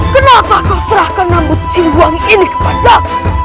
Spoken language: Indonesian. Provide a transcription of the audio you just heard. kenapa kau serahkan nambut cilu wangi ini kepada aku